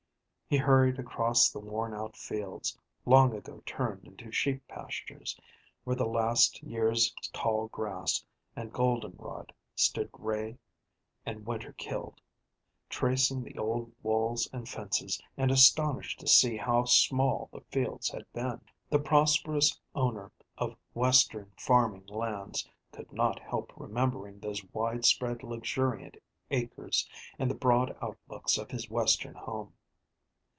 He hurried across the worn out fields, long ago turned into sheep pastures, where the last year's tall grass and golden rod stood gray and winter killed; tracing the old walls and fences, and astonished to see how small the fields had been. The prosperous owner of Western farming lands could not help remembering those widespread luxuriant acres, and the broad outlooks of his Western home.